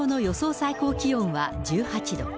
最高気温は１８度。